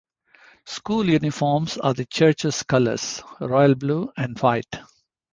School uniforms are the church's colors: royal blue and white.